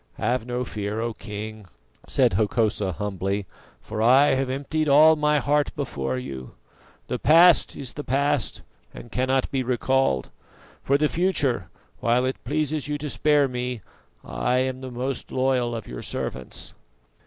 "Have no fear, O King," said Hokosa humbly, "for I have emptied all my heart before you. The past is the past, and cannot be recalled. For the future, while it pleases you to spare me, I am the most loyal of your servants."